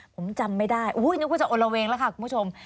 ผมจำไม่ได้นึกว่าจะโอละเวงแล้วค่ะคุณผู้ชม